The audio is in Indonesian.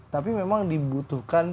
tapi memang dibutuhkan